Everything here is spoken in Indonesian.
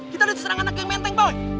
kita ada terserang anak yang menteng boy